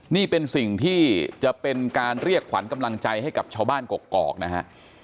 นี่เป็นสิ่งที่จะเป็นการเรียกขวัญกำลังใจให้กับชาวบ้านกกอกนะฮะ